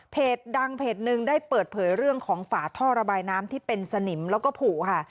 ดังเพจหนึ่งได้เปิดเผยเรื่องของฝาท่อระบายน้ำที่เป็นสนิมแล้วก็ผูค่ะ